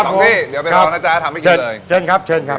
สี่สิบตั้งที่เดี๋ยวไปทอลับน้าจะทำให้อีกเลยโชคครับช่วยนะครับ